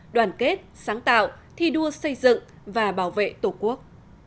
đoàn kết sáng tạo thi đua xây dựng và bảo vệ tổ quốc